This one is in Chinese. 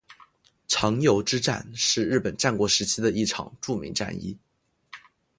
长筱之战是是日本战国时期的一场著名战役。